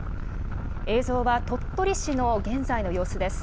映像は鳥取市の現在の様子です。